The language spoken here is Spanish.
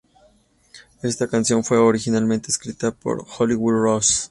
Esta canción fue originalmente escrita por Hollywood Rose.